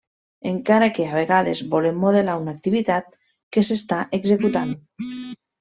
Encara que, a vegades, volem modelar una activitat que s'està executant.